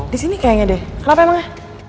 disini kayaknya deh kenapa emangnya